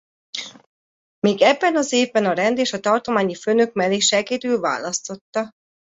Még ebben az évben a rend a tartományi főnök mellé segédül választotta.